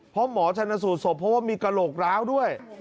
เพราะหมอชนสูตรศพเพราะว่ามีกระโหลกร้าวด้วย